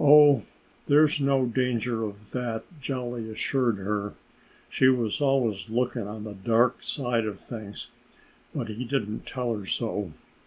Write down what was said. "Oh! There's no danger of that," Jolly assured her. She was always looking on the dark side of things. But he didn't tell her so.